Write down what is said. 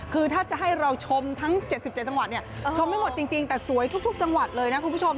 คือถ้าจะให้เราชมทั้ง๗๗จังหวัดเนี่ยชมไม่หมดจริงแต่สวยทุกจังหวัดเลยนะคุณผู้ชม